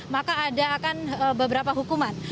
maka ada akan beberapa hukuman